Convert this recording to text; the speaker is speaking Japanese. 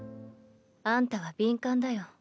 あんたは敏感だよ。